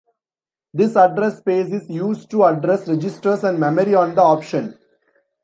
This address space is used to address registers and memory on the option.